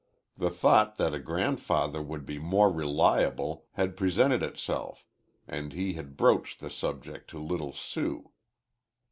The thought that a grandfather would be more reliable, had presented itself, and he had broached the subject to little Sue.